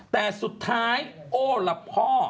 แต่สุดท้ายโอ้ละพ่อ